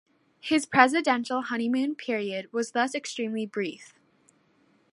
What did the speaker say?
His "presidential honeymoon" period was thus extremely brief.